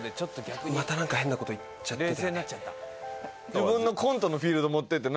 また何か変なこと言っちゃってたよね